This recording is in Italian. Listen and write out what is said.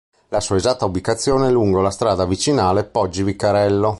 La sua esatta ubicazione è lungo la strada vicinale Poggi Vicarello.